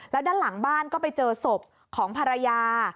แล้วด้านหลังบ้านก็ไปเจอศพของภรรยา